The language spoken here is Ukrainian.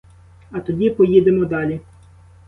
А тоді поїдемо далі.